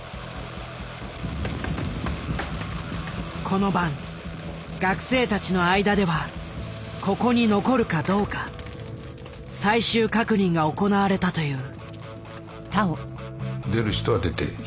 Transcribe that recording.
この晩学生たちの間ではここに残るかどうか最終確認が行われたという。